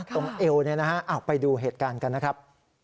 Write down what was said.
เอวเนี่ยนะฮะไปดูเหตุการณ์กันนะครับ